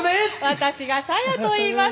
私がサヤといいます。